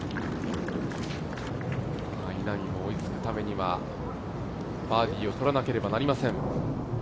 稲見も追いつくためには、バーディーをとらなければなりません。